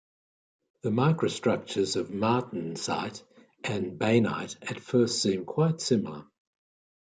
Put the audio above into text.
The microstructures of martensite and bainite at first seem quite similar.